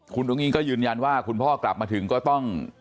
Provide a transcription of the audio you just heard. คุณตรงนี้ก็ยืนยันว่าคุณพ่อกลับมาก่อนมาถึงจะต้อง